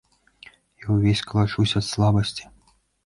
Я ўвесь калачуся ад слабасці.